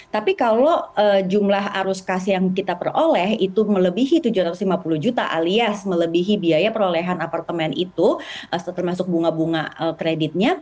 tapi kalau jumlah arus kas yang kita peroleh itu melebihi tujuh ratus lima puluh juta alias melebihi biaya perolehan apartemen itu termasuk bunga bunga kreditnya